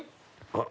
あっ！